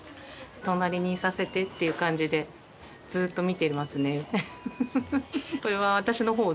隣にいさせてって感じで、ずっと見てますね。